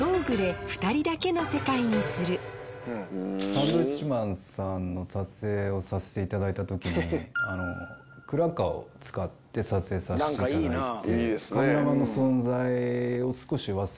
サンドウィッチマンさんの撮影をさせていただいた時にクラッカーを使って撮影させていただいて。